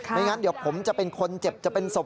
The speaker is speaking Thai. ไม่งั้นเดี๋ยวผมจะเป็นคนเจ็บจะเป็นศพ